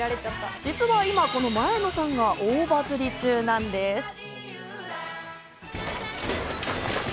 実は今、この前野さんが大バズり中なんです。